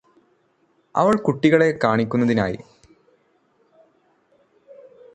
അവൾ കുട്ടികളെ കാണിക്കുന്നതിനായി